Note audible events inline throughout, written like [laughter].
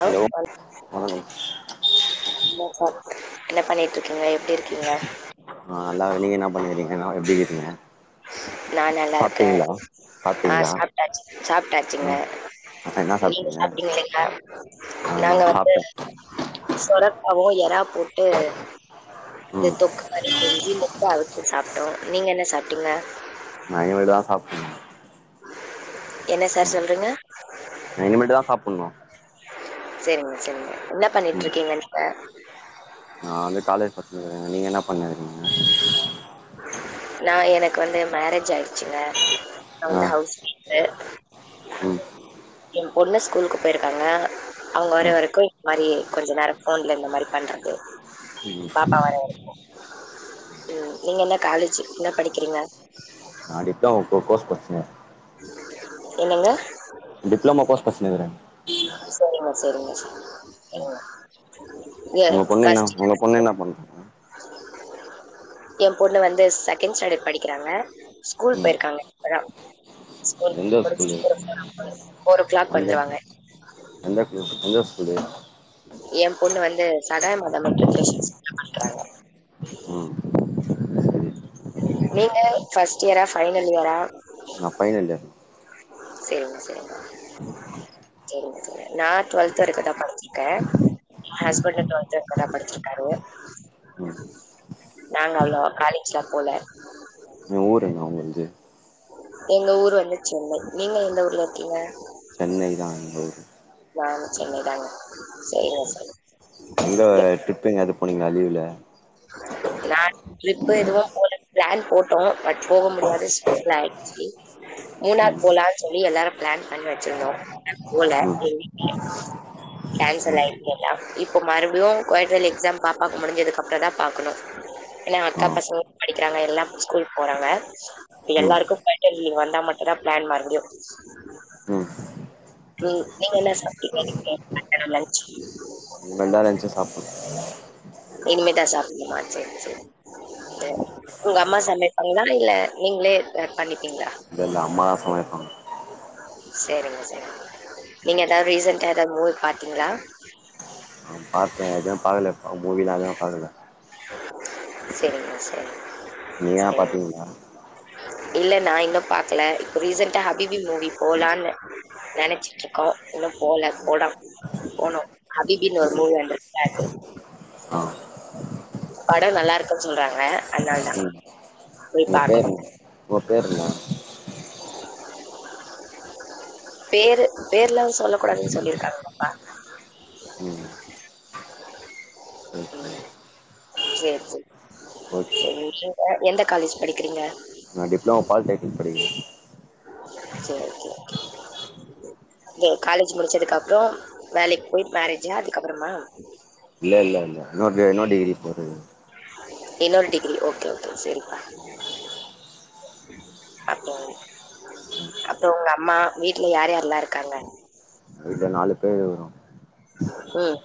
[unintelligible] Hello வணக்கம் hello என்ன பண்ணிட்டு இருக்கீங்க எப்படி இருக்கீங்க ஏன்னா எப்படி இருக்கீங்க நா நல்லா இருக்கேன் சாப்ட்டீங்களா ஆஹ் சாப்ட்டீங்களா சாப்டாச்சு சாப்டாச்சுங்க ஆ என்ன நீங்க சாப்ட்டீங்க சாப்ட்டீங்களா ஆ நா நாங்க வந்து சாப்ட்டே சொரக்காவும் எற போட்டு அ ம் தொக்கு மாதிரி செஞ்சி முட்ட அவிச்சு சாப்ட்டோம் நீங்க என்ன சாப்ட் ஆ நா இனிமே தா சாப்ட் என்ன சார் சொல்றீங்க ன இனிமேட்டு தா சாப்ண்ணும் சரிங்க சரிங்க என்ன பண்ணிட்டு இருக்கீங்க நீங்க நா வந்து காலேஜ் நீங்க என்ன பண்ணு நா எனக்கு வந்து மேரேஜ் ஆயிடுச் [unintelligible] நா வந்து ஆ ஹவுஸ் கீப்பர் ம் பொண்ணு ஸ்கூலுக்கு போயிருக்காங்க அவுங்க ஆ வர வரைக்கும் இந்த மாரி கொஞ்ச நேரம் போன்ல இந்த மாரி பண்றது ம் பாப்பா வர வரைக்கும் ம் நீங்க என்ன காலேஜு என்ன படிக்கிறீங்க நா டிப்ளமோ ஒரு கோர்ஸ் படிச்சினு என்னங்க டிப்ளமோ கோர்ஸ் படிச்சினு இருக்குற சரிங்க சரிங்க சரி ம், உங்க பொண்ணு என்ன உங்க பொண்ணு என்ன பண்றாங்க எ பொண்ணு வந்து செகண்ட் ஸ்டாண்டர்ட் படிக்கிறாங்க ஸ்கூல் ம் போயிருக்காங்க இப்பதா, ஸ்கூல் எந்த ஸ்கூலு முடிச்சிட்டு ஃபோர் ஓ கிளாக் எந்த வந்துருவாங்க எந்த எந்த ஸ்கூலு எ பொண்ணு வந்து சகாய மாதா மெட்ரிகுலேஷன் ஸ்கூல் ல படிக்கிறாங்க ம் சரி நீங்க ஃபர்ஸ்ட் இயரா, ஃபைனல் இயரா நா ஃபைனல் இயர் சேரிங்க சேரிங்க சேரிங்க சேரிங்க நா டுவெல்த் வரைக்கு தா படிச்சிருக்கே, ஹஸ்பண்டு டுவெல்த் வரைக்கு தா படிச்சிருக்காரு ம் நாங்க அவ்ளோ காலேஜ்லா போல எ ஊர் என்ன உங்கள்து எங்க ஊர் வந்து சென்னை நீங்க எந்த ஊர்ல இருக்கீங்க சொன்னைதா, எங்க ஊரு நானு சென்னைதாங்க சேரிங்க சேரி தே போனீங்ளா லீவ்ல நா ட்ரிப் எதுவு போல பிளான் போட்டோ பட் போக முடியாத சூழ்நில ஆயிடுச்சு மூணார் ம் போலான்னு சொல்லி எல்லாரு பிளான் பண்ணி வச்சிருந்தோ போல ம் எ வீட்ல கேன்சல் ஆயிட்டு எல்லா இப்ப மறுபடியு குவாட்டலி எக்ஸாம் பாப்பாக்கு முடிஞ்சதுக்கு அப்பறந்தா பாக்குணு ஏன்னா ஆ அக்கா பசங்க படிக்கிறாங்க எல்லா இப்ப ஸ்கூல்க்கு போறாங்க ம் எல்லாருக்கு குவாட்ர்லி லீவ் வந்தா மட்டுதா பிளான் மறுபடியு, ம் நீ நீங்க என்ன சாப்டிங்க இன்னைக்கி மதியானம் லஞ்ச் இனிமேதா லஞ்ச் சாப்புட்னு இனிமேதா சாப்புட்னுமா செரி செரி உங்க அம்மா சமைப்பாங்களா இல்ல நீங்களே எதா பண்ணிப்பீங்களா இல்ல இல்ல அம்மா தா சமைப்பாங்க செரிங்க செரி நீங்க ஏதாவது ரிசெண்டா ஏதாவது மூவி பாத்தீங்ளா? பாத்த எதுவு பாக்கல இப்ப மூவில எது பாக்கல செரிங்க செரி நீங்க எதா பாத்தீங்கங்ளா இல்ல நா இன்னு பாக்கல இப்ப ரீசெண்டா ஹபிபி மூவி போலாம்னு நெனைச்சிட்டு இருக்கோ இன்னு போல போட போனோ ஹபிபின்னு ஒரு ம் மூவி வந்துருக்குல அது ஆ படோ நல்லா இருக்குன்னு சொல்றாங்க அதனாலதா ம் போய் உங்க பேர் பாக்கணு என்ன? உங்க பேர் என்ன? பேரு பேர்லா சொல்ல கூடாதுன்னு சொல்லிருக்காங்கப்பா, ம் சரி சரி ம் சேரி ஓகே சேரி சேரி அ எந்த காலேஜ் படிக்கிறீங்க நா டிப்ளமோ பாலிடெக்னிக் படிக்கிற சேரி, சேரி காலேஜ் இது முடிச்சதுக்கப்றோ வேலைக்கு போய் மேரேஜா அதுக்கப்பறமா இல்ல இல்ல இல்ல இன்னொரு இன்னொரு டிகிரி போட்றது இன்னொரு டிகிரி ஓகே ஓகே செரிப்பா, அப்றோ அப்றோ உங்க அம்மா வீட்ல யாரு யார்ல்லா இருக்காங்க இங்க நாலு பேர் இருக்குறோ ம்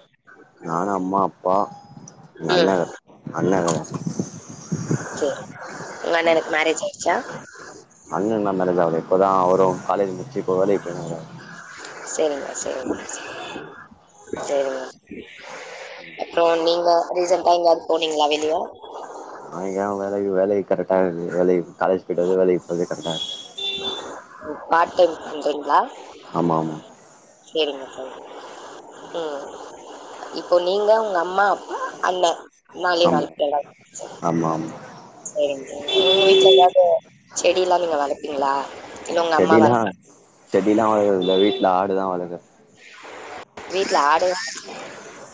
அம்மாப்பா ம் செரி உங்க அண்ணனுக்கு மேரேஜாயிச்சா இன்னு நா மேரேஜாவுல இப்போ தா அவுரு காலேஜ் முடிச்சு இப்போ வேலைக்கிப்போனாரு சேரிங்க சேரிங்க சேரிங்க சேரிங்க அப்புறோ நீங்க ரீசன்டா எங்கயாவது போனீங்களா வெளிய நா ஏ வேலைக்கு வேலைக்கு கரெக்டாகருது வேலைை காலேஜ் போயிடடு வந்து வேலைக்கு போது கரெக்டாக இருது பார்ட் டைம் பண்றீங்களா ஆமா ஆமா சேரிங்க சேரிங்க ம் இப்போ நீங்க உங்க அம்மா அப்பா அண்ண நாளே ஆமா நாலு பேரா ஆமா ஆமா உங்க வீட்ல எதாவது செடிலா நீங்க வளப்பீங்களா செடிலா செடிலா வழக்குறதுல வீட் ஆடுதா வளக்குறது வீட்டு்ல ஆடு தா [unintelligible]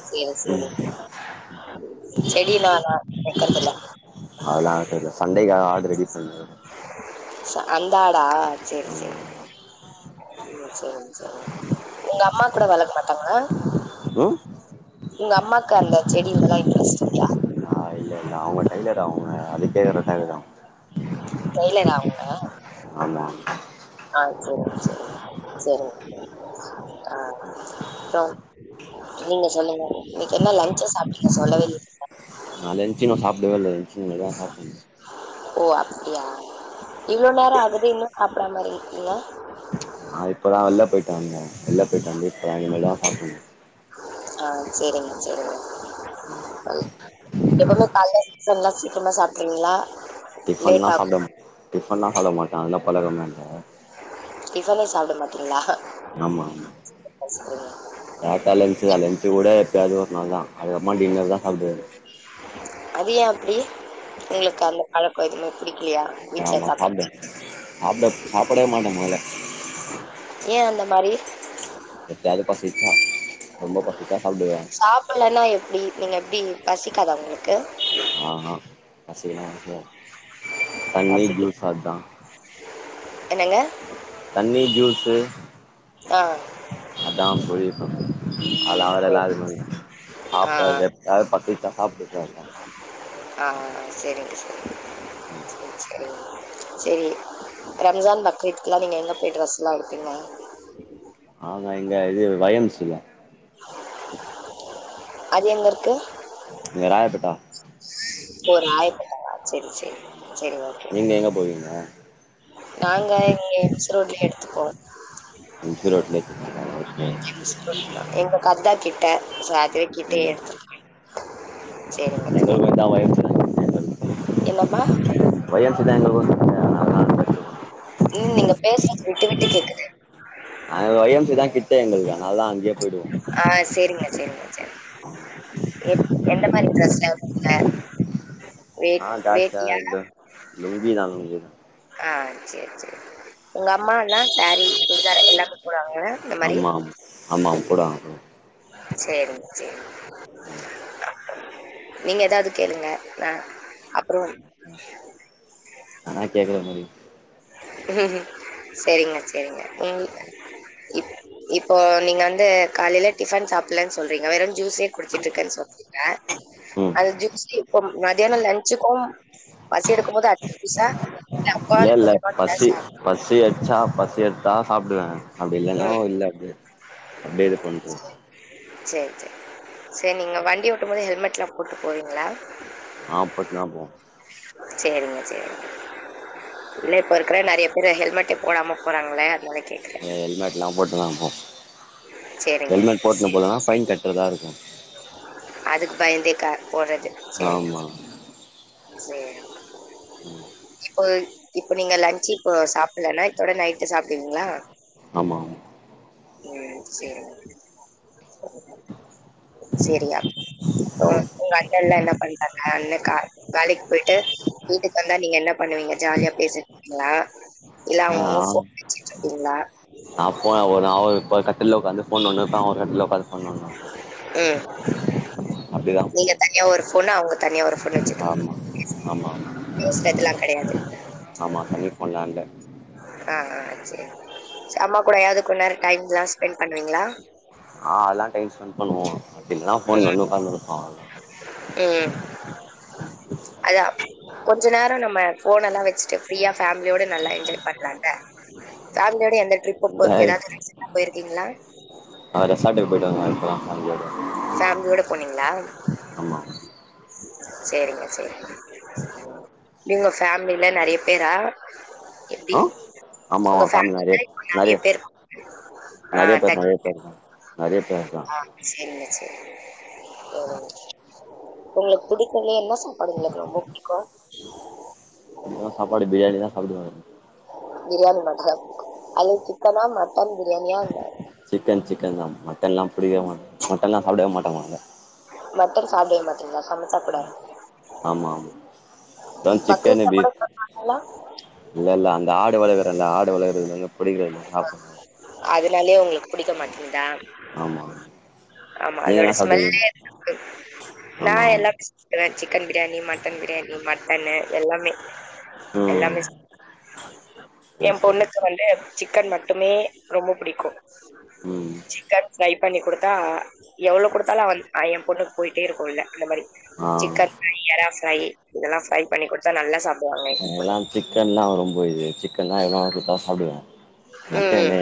சேரி ம் சேரி செடி நா [inaudible] வெக்கறதுல அதெல்லா [unintelligible] சண்டைக்காக ஆ [unintelligible] அந்தாடா செரி ஆமா செரி ஆமா செரி உங்க அம்மா கூட வழக்க மாட்டாங்களா ம் உங்க அம்மாக்கு, அந்த செடிங்களா இன்ட்ரெஸ்ட்ல்லையா டெய்லரு அவுங்க அதுக்கே கரெக்ட்டாயிடு டைலரா அவுங்க ஆமா ஆஹ் செரி செரி செரி அ அ நீங்க சொல்லுங்க இன்னைக்கி என்ன லஞ்ச் சாப்டீங்க சொல்லவேல [inaudible] அ லஞ்சி நா சாப்டவேயில்ல இனிமேதா சாப்டணு ஓ அப்டியா, இவ்ளோ நேரோ ஆகுது இன்னு சாப்டாம இருக்கீங்க ஆ இப்பதா வெல்ல போயிட்டு வந்த வெல்ல போயிட்டு வந்து தா இனிமேதா சாப்டணு ஆஹ் சேரிங்க சேரிங்க எப்பயுமே கால்ல சீசன்லா சீக்ரமா சாப்ட்றீங்களா டிஃபன்லா சாப்டம் டிஃபன்லா சாப்டமாட்டா எ பழக்கமேல டிஃபனே சாப்ட மாட்டீங்களா ஆமா [unintelligible] சாப்டாக்கூட லன்ச்தா லன்ச்சுக்கூட எப்பயாவது ஒரு நாள்தா அதுக்கப்பமா டின்னர் தா சாப்ட்டு அது ஏ அப்டி உங்களுக்கு அந்த பழக்கம் எதுமே புடிக் ஆமா சாப்ட சாப்ட சாப்டவே மாட்டே மல ஏ அந்த மாரி எப்பயாவது பசிச்சா ரொம்ப பசி சாப்டலன்னா எப்டி நீங்க எப்டி பசிக்காதா உங்களுக்கு ஆஹ் ஹா பசியல்லாம் [unintelligible] தண்ணி, பசிக்கு ஜூஸ் அத்தா என்னங்க தண்ணி, ஜூஸு ஆ அதான் [unintelligible] [unintelligible] சேரி [unintelligible] ஆ சாப்ட எப்பயாவது பசிச்சா சாப்டுகுவே ஆஹ் ஆஹ் ஆஹ் சேரிங்க - சேரிங்க உம் சேரி சேரி ரம்ஜான் பக்ரீத்க்கலா நீங்க எங்க போய் ட்ரெஸ்லா எடுப்பீங்க ஆஹா இங்க, இது வயம்சுல அது எங்க இருக்கு ம்ச் இந்த ராயபேட்ட ஓ ராயபேட்டயா செரி செரி [inaudible] செரி ஓகே நீங்க எங்க போவீங்க நாங்க இங்க மிஸ்ரோட்லய எடுத்துப்போ எங்களுக்கு அதான் கிட்ட [unintelligible] [unintelligible] கிட்டே எடுத்து [unintelligible] சேரிங்க சேரிங்க என்னமா [inaudible] அங்க வச்சிருக்கோம் உம் நீங்க பேசுறது விட்டு விட்டு கேக்குது [unintelligible] எங்களுதான் நா லா அங்கயே போய்டுவோ சேரிங்க எந்த மாரி ட்ரெஸ்ஸு [unintelligible] ஆஹ் [unintelligible] தான் லுங்கி தான் லுங்கி தான் ஆஹ் சேரி சேரி உங்க அம்மா எல்லாம் சாரீ சுடிதார் எல்லாமே போடுவாங்களா இந்த மாரி ஆமா ஆமா ஆமா போடுவாங்க போடுவாங்க சேரிங்க சேரி நீங்க ஏதாவது கேளுங்க ஆ அப்புறம் ஆனா கேக்குற முடியும் ம் செரிங்க செரிங்க ம் இப் இப்போ நீங்க வந்து காலையில டிபன் சாப்பிலன் சொல்றீங்க வெறு ஜூஸே குடிச்சிட்டு இருக்கன் சொல்றீங்க ம் அந்த ஜூஸ் இப்ப மதியாணம் லஞ்சுக்கு பசி எடுக்கு போது அ ஜூசா இல்ல அப்பவாது இல்ல பசி பசி அச்சா ப பசி எடுத்தா சாப்டுவே அப்படி இல்லனா ம் இல்ல அப்டியே அப்டியே இது பண்ற செரி செரி சரி நீங்க வண்டி ஓட்டும் போது ஹெல்மெட்லா போட்டு போவீங்களா ஆ போட்டுதா போவோம் செரிங்க செரிங்க இல்ல இப்ப இருக்கிற நெறைய பேரு ஹெல்மெட்டே போடாம போறாங்களே அதனால கேக்குறே. ஹெல்மெட்லா போட்டு தா போவ சேரிங்க. ஹெல்மெட் போட்டுனு போலனா பைன் கட்டுறதா இருக் அதுக்கு பயந்தே கா போறது செரி ஆமா செரி இப்போ இப்ப நீங்க லன்ஞ்சு இப்ப சாப்பிலனா இத்தோட நைட்டு சாப்டுவீங்களா ஆமா ஆமா ம் செரி செரியா ம் பாய் தெர்ல என்ன பண்றாங்க [unintelligible] வேலைக்கு போய்ட்டு வீட்டுக்கு வந்தா நீங்க என்ன பண்ணுவீங்க ஜாலியா பேசக்கீங்களா இல்ல ஆ அவுங்கவுங்க போன் வச்சிட்டு இருக்கீங்களா நா போன ஒ [unintelligible] ஒரு கட்டில்ல உக்காந்து போன் நோன்டினு இருப்ப அவ கட்டில்ல உக்காந்து ஃபோன் நோண்டுவா ம் அப்டிதா நீங்க போவு தனியா ஒரு பொண்ணா அவுங்க தண்ணியா வரு ஆமா ஆமாமா நியூஸ் பேப்பர்லா கெடையாது ஆமா தனி ஃபோன்லா இல்ல ஆ ஆ செரி அம்மா கூட யாருக்கு நேரோ டைம் எல்லா ஸ்பெண்ட் பண்ணுவீங்களா ஆ அதெல்லா டைம் ஸ்பெண்ட் பண்ணுவோ இல்லானா போன் வந்து உக்காந்து இருப்போ அதா கொஞ்ச நேர நம்ம போன எல்லா வச்சுட்டு ஃப்ரீயா பேமிலியோட நல்லா என்ஜாய் பண்ணலாம்ங்க பேமிலியோட எந்த இந்த ரிப்பப்ப ஏதாவது ரீசா போயிரு தின்ங்களா அத [unintelligible] போயிட்டு வ அனு பேமிலியோட போனீங்களா ஆமா சரிங்க சரிங்க நீங்க பேமிலில நெறய பேரா எப்டி ஆ ஆமா உங்க ஆமா ஃபேமிலி நெறைய [unintelligible] இப்ப நிறைய நெறைய பேரு [inaudible] ஆஹ் நெறைய அதா பேர் கே நெறைய பேர் இருக்காங்க நெறைய பேசா ங்க செரிங்க ஆஹ் உங்களுக்கு புடிச்சல என்னஸ் பாருங்க எனக்கு ரொம்ப புடிக்கு உ இதா சாப்பாடு பிரியாணி தா சாப்டுவேங்க பியானி ம அது சிக்கனா ம சிக்கன் சிக்கன் தா மட்டன்ல்லா பிடிக்கவே மாட் மட்டல்லா சாப்டவே மாட்டங்க மட்டன் சாபடிய மாட்டிங்களா ஆமா ஆம் ப சிக்கன் பக்ரீத்ல கூட பிப் சாப்டுவீங்களா இல்ல இல்ல அந்த ஆடு வ ரெண்டு ஆடு வெள [unintelligible] பிடிக்கல சாப்பல னாலயே உங்களுக்கு புடிக்க மாட்டேங்குதா ஆமா ஆமா நீங்க அதோட என்ன ஸ்மெல்லே சாப்டுவீங்க எனக்கு [inaudible] நா ஆமா ஆமா எல்லா [inaudible] சிக்கன் பிரியாணி மட்டன் பிரியாணி மட் கண்ணு எல்லாமே ம் எல்லாமே ஏ சரி சரி பொண்ணுக்கு வந்து சிக்கன் மட்டுமே ரொம்ப புடிக்கு ம் சிக்கன் ஃபிரை பண்ணி குடுத்தா எவ்ளோ குடுத் ல்லா வந் ஏ பொண்ணுக்கு போயிட்டே இருக்கு உள்ள அந்த மாரி ஆ சிக்கன் ஃரை எரா ஃரை இதெல்லா ஃபரை பண்ணி குடுத்தா நல்லா சாப் எல்லா சிக்கன்லா ரொம்ப இது சிக்கன்னா என்னா குடுத்தா சாப்டுவே ம் மட்டனு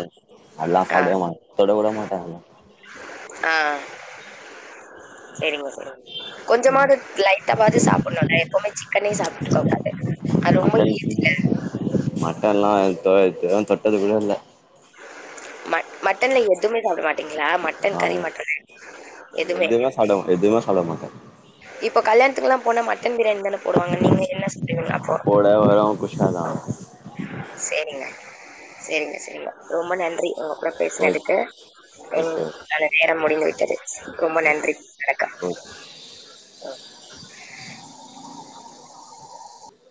அல்லாம் ஆ சாப்டவே மாட் தொட கூட மாட்டே ஆஹ் செரிங்க செரி ம் கொஞ்சமாது லைட்டாவாது சாப்பிடணுல எப்பவுமே சிக்கனே சாப்பிட்ருக்க கூடாது அது ரொம்ப மட்டன் ஹீட்ல அதுகூடல்ல ம மட்டன்ல எதுமே சாப்ட மாட்டீங்ளா மட்டன் ஆ கறி மட்டனு எதுமே எதுவுமே சாப்ட மாட்டே எதுவுமே சாப்ட மாட்டே இப்ப கல்யாண் த்துக்குலா போன மட் ட்டன் பிரியாணி தான போடுவாங்க நீங்க என்ன செய்வீங்கள் அப்போ அப்போட வரு குஷ்காதா சேரிங்க சேரிங்க சேரிங்க ரொம்ப நன்றி உங்க கூட ஓகே பேசுனதுக்கு உம் ஓகே நல்ல நேரம் முடிந்து விட்டது ரொம்ப ஓ நன்றி வணக்க ஓ